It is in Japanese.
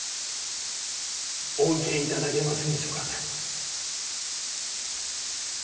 お受けいただけませんでしょうか？